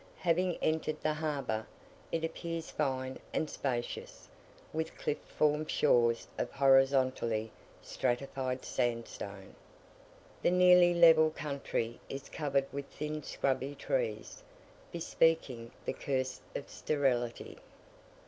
Having entered the harbour, it appears fine and spacious, with cliff formed shores of horizontally stratified sandstone. The nearly level country is covered with thin scrubby trees, bespeaking the curse of sterility.